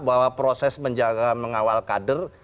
bahwa proses mengawal kader